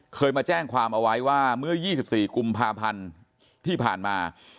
เคยมาแจ้งความเอาไว้ว่าเมื่อ๒๔กุมภาพันธ์ที่ผ่านมา